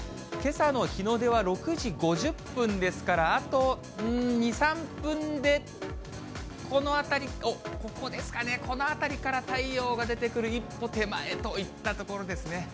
けさの日の出は６時５０分ですから、あと２、３分で、このあたり、おっ、ここですかね、この辺りから太陽が出てくる一歩手前といったところですね。